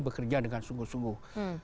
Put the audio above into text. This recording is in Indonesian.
bekerja dengan sungguh sungguh